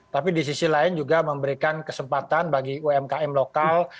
tapi di sisi lain juga memberikan kesempatan bagi umkm lokal